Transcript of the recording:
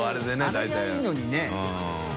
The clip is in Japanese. あれがいいのにね。